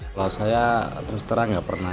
kalau saya terus terang nggak pernah